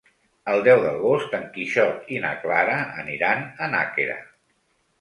El deu d'agost en Quixot i na Clara aniran a Nàquera.